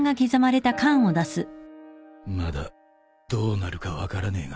まだどうなるか分からねえが。